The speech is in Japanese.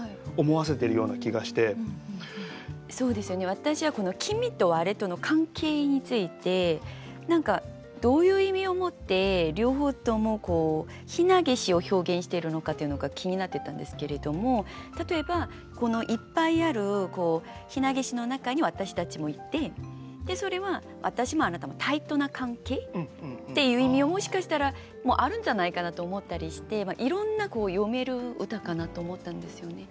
私はこの「君」と「われ」との関係について何かどういう意味を持って両方とも「ひなげし」を表現しているのかっていうのが気になってたんですけれども例えばこのいっぱいあるひなげしの中に私たちもいてそれは私もあなたも対等な関係っていう意味ももしかしたらあるんじゃないかなと思ったりしていろんな読める歌かなと思ったんですよね。